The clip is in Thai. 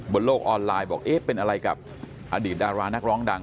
บนโลกออนไลน์บอกเอ๊ะเป็นอะไรกับอดีตดารานักร้องดัง